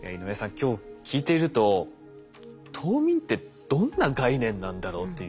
今日聞いていると冬眠ってどんな概念なんだろうっていう。